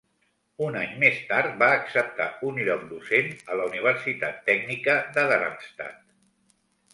Un any més tard va acceptar un lloc docent a la Universitat Tècnica de Darmstadt.